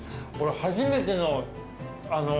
初めての味。